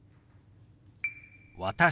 「私」。